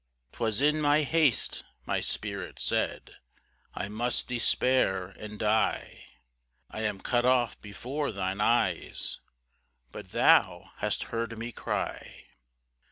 5 ['Twas in my haste, my spirit said, "I must despair and die, "I am cut off before thine eyes;" But thou hast heard me cry.